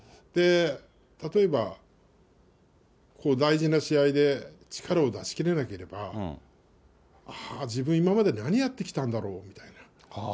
例えば大事な試合で力を出しきれなければ、はあ、自分、今まで何やってたんだろうみたいな。